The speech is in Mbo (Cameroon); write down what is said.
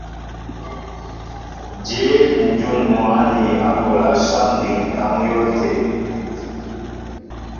Jě ǹjún mwǎ ni á bolɛ̌ áshán ni ŋ̀kaŋ á yɔ̌l tê ?